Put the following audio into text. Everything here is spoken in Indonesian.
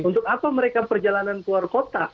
untuk apa mereka perjalanan keluar kota